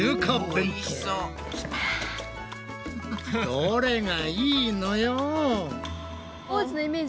どれがいいのよ？